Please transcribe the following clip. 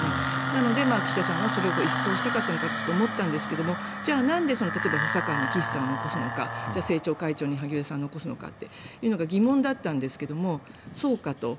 なので、岸田さんはそれを一掃したかったのかと思ったんですがじゃあなんで例えば補佐官に岸さんを残すのかじゃあ政調会長に萩生田さんを残すのかというのが疑問だったんですがそうかと。